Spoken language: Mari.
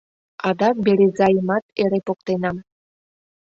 Адак Березайымат эре поктенам.